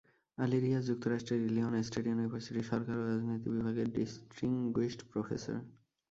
আলী রীয়াজ যুক্তরাষ্ট্রের Illinois state ইউনিভার্সিটির সরকার ও রাজনীতি বিভাগের ডিস্টিংগুইশড প্রফেসর